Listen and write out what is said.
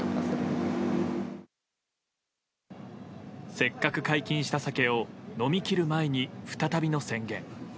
せっかく解禁した酒を飲み切る前に、再びの宣言。